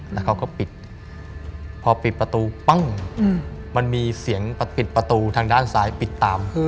แล้วเขาก็ปิดพอปิดประตูปั้งมันมีเสียงปิดประตูทางด้านซ้ายปิดตาม